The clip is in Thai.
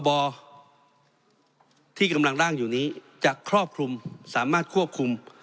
ที่กำลังร่างอยู่นี้จะครอบคลุมสามารถควบคุม